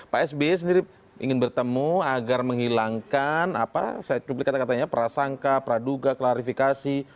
pak sby sendiri ingin bertemu agar menghilangkan apa saya publik kata katanya prasangka praduga klarifikasi